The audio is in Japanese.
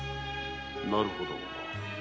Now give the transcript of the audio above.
なるほど。